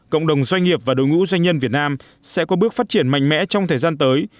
cộng đồng doanh nghiệp và đối ngũ doanh nhân việt nam sẽ có bước phát triển mạnh mẽ trong thời gian tới